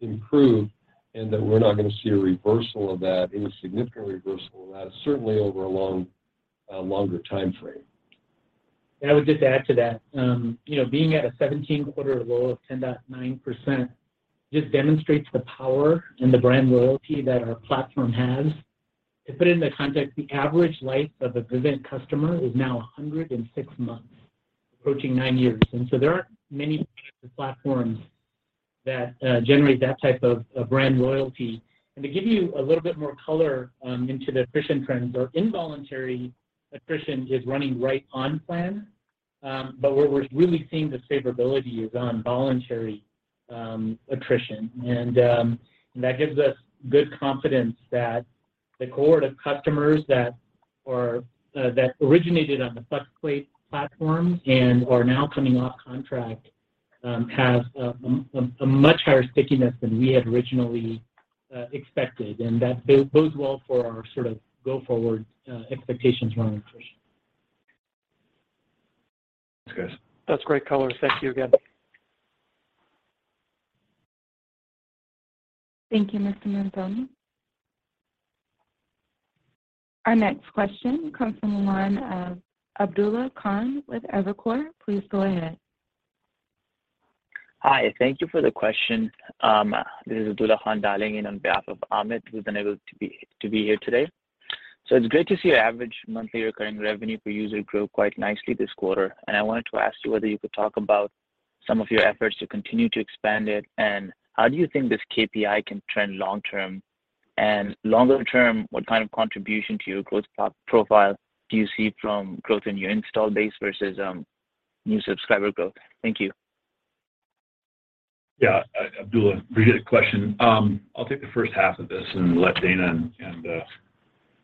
improve, and that we're not gonna see a reversal of that, any significant reversal of that, certainly over a longer timeframe. I would just add to that, you know, being at a 17-quarter low of 10.9% just demonstrates the power and the brand loyalty that our platform has. To put into context, the average life of a Vivint customer is now 106 months, approaching nine years. There aren't many platforms that generate that type of brand loyalty. To give you a little bit more color into the attrition trends, our involuntary attrition is running right on plan. Where we're really seeing the favorability is on voluntary attrition. That gives us good confidence that the cohort of customers that originated on the Flex Pay platform and are now coming off contract have a much higher stickiness than we had originally expected. That bodes well for our sort of go-forward expectations around attrition. Thanks, guys. That's great color. Thank you again. Thank you, Mr. Mazzoni. Our next question comes from the line of Abdullah Khan with Evercore. Please go ahead. Hi, thank you for the question. This is Abdullah Khan dialing in on behalf of Amit, who's unable to be here today. It's great to see your average monthly recurring revenue per user grow quite nicely this quarter. I wanted to ask you whether you could talk about some of your efforts to continue to expand it, and how do you think this KPI can trend long term? Longer term, what kind of contribution to your growth profile do you see from growth in your installed base versus new subscriber growth? Thank you. Yeah, Abdullah, appreciate the question. I'll take the first half of this and let Dana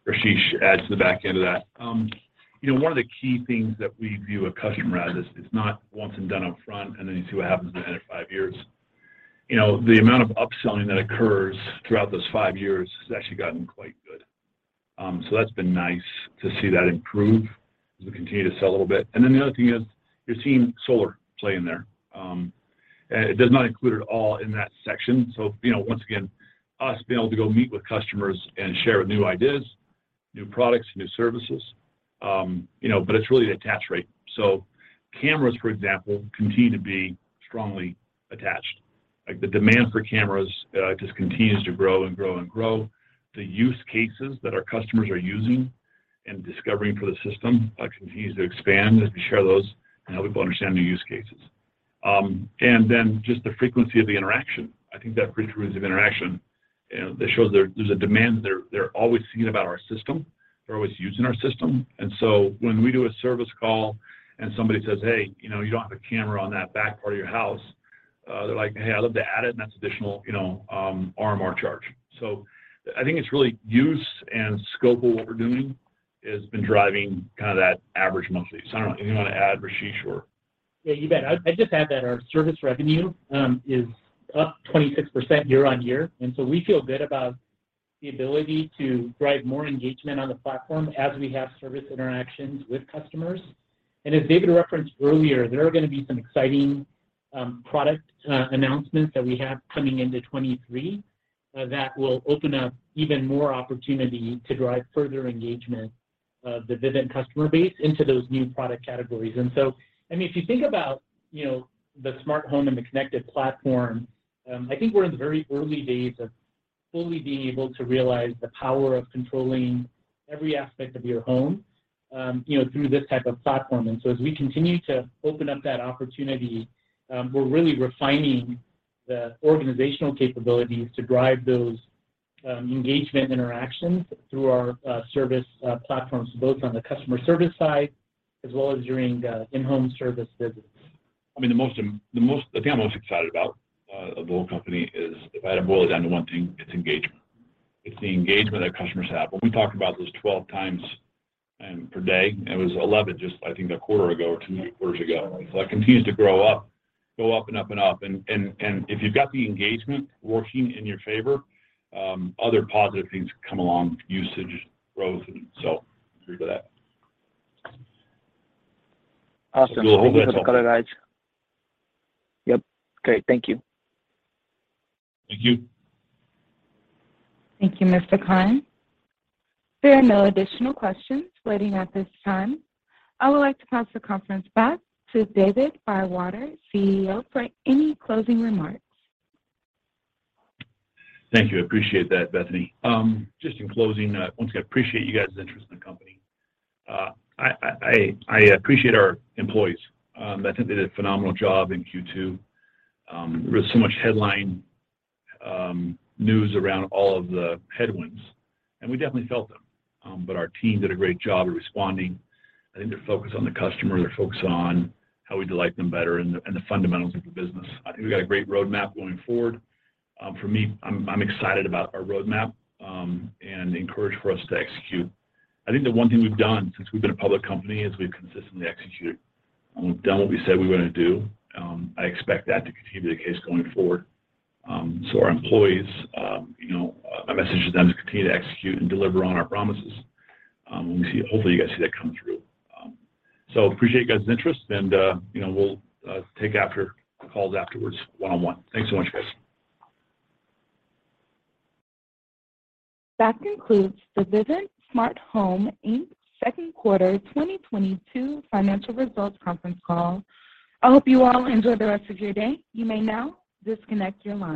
and Rasesh add to the back end of that. You know, one of the key things that we view a customer as is not once and done up front, and then you see what happens to them in five years. You know, the amount of upselling that occurs throughout those five years has actually gotten quite good. That's been nice to see that improve as we continue to sell a little bit. The other thing is you're seeing solar play in there. It does not include it all in that section. You know, once again, us being able to go meet with customers and share new ideas, new products, new services, but it's really the attach rate. Cameras, for example, continue to be strongly attached. Like, the demand for cameras just continues to grow and grow and grow. The use cases that our customers are using and discovering for the system continues to expand as we share those and help people understand the use cases. Just the frequency of the interaction. I think that frequency of interaction that shows there's a demand. They're always thinking about our system. They're always using our system. When we do a service call and somebody says, "Hey, you know, you don't have a camera on that back part of your house," they're like, "Hey, I'd love to add it," and that's additional, you know, RMR charge. I think it's really use and scope of what we're doing has been driving kind of that average monthly. I don't know, anything you want to add, Rasesh, or. Yeah, you bet. I'd just add that our service revenue is up 26% year-on-year, and so we feel good about the ability to drive more engagement on the platform as we have service interactions with customers. As David referenced earlier, there are gonna be some exciting product announcements that we have coming into 2023 that will open up even more opportunity to drive further engagement of the Vivint customer base into those new product categories. I mean, if you think about, you know, the smart home and the connected platform, I think we're in the very early days of fully being able to realize the power of controlling every aspect of your home, you know, through this type of platform. As we continue to open up that opportunity, we're really refining the organizational capabilities to drive those engagement interactions through our service platforms, both on the customer service side as well as during in-home service visits. I mean, the thing I'm most excited about of the whole company is if I had to boil it down to one thing, it's engagement. It's the engagement that customers have. When we talk about those 12 times per day, it was 11 just I think a quarter ago or two quarters ago. That continues to grow up, go up and up and up, and if you've got the engagement working in your favor, other positive things come along, usage, growth, and so agree to that. Awesome. Thank you for the color, guys. Go ahead. That's all. Yep. Great. Thank you. Thank you. Thank you, Mr. Khan. There are no additional questions waiting at this time. I would like to pass the conference back to David Bywater, CEO, for any closing remarks. Thank you. I appreciate that, Bethany. Just in closing, once again, appreciate you guys' interest in the company. I appreciate our employees. I think they did a phenomenal job in Q2. There was so much headline news around all of the headwinds, and we definitely felt them. Our team did a great job of responding. I think they're focused on the customer, they're focused on how we delight them better and the fundamentals of the business. I think we got a great roadmap going forward. For me, I'm excited about our roadmap, and encouraged for us to execute. I think the one thing we've done since we've been a public company is we've consistently executed, and we've done what we said we were gonna do. I expect that to continue to be the case going forward. Our employees, you know, my message to them is continue to execute and deliver on our promises. We see, hopefully, you guys see that come through. Appreciate you guys' interest, and you know, we'll take after calls afterwards one-on-one. Thanks so much, guys. That concludes the Vivint Smart Home, Inc.'s second quarter 2022 financial results conference call. I hope you all enjoy the rest of your day. You may now disconnect your line.